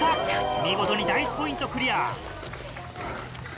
見事に第１ポイントクリア。